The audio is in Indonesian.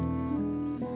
oh ini dia